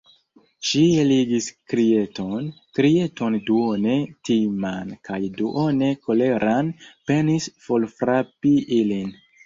Ŝi eligis krieton, krieton duone timan kaj duone koleran, penis forfrapi ilin.